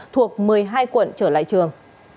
thuộc một mươi hai quận trở lại trường